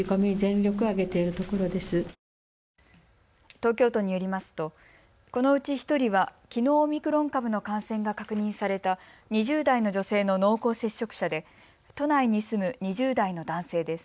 東京都によりますとこのうち１人はきのうオミクロン株の感染が確認された２０代の女性の濃厚接触者で都内に住む２０代の男性です。